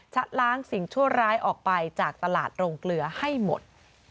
ชะล้างสิ่งชั่วร้ายออกไปจากตลาดโรงเกลือให้หมด